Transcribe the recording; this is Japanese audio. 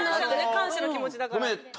感謝の気持ちだから。